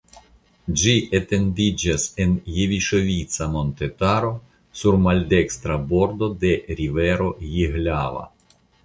Ĝi etendiĝas en Jeviŝovica montetaro sur maldekstra bordo de rivero Jihlava.